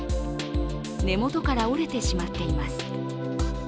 根元から折れてしまっています。